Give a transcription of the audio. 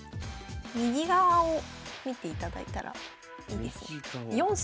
右側を見ていただいたらいいですね。右側。